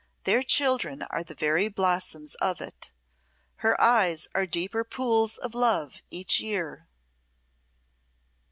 Their children are the very blossoms of it. Her eyes are deeper pools of love each year."